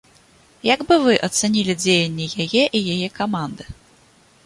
Як бы вы ацанілі дзеянні яе і яе каманды?